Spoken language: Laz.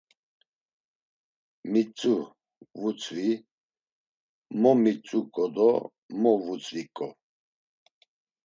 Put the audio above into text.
Mitzu, vutzvi, mo mitzuǩo do mo vutzviǩo.